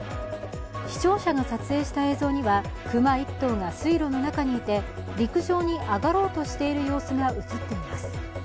視聴者が撮影した映像には熊１頭が水路の中にいて陸上にあがろうとしている様子が映っています。